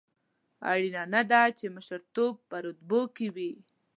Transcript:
اړینه نه ده چې مشرتوب په رتبو کې وي.